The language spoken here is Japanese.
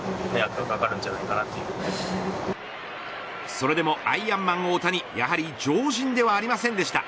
それでもアイアンマン大谷やはり常人ではありませんでした。